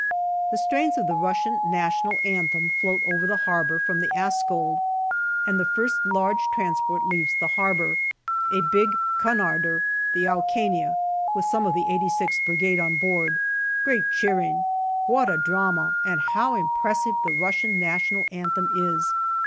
The strains of the Russian National Anthem float over the harbour from the Askold and the first large transport leaves the harbour, a big Cunarder, the Aucania, with some of the 86th Brigade on board Great cheering. What a drama, and how impressive the Russian National Anthem is.